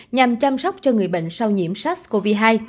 nhằm chăm sóc cho người bệnh sau nhiễm sars cov hai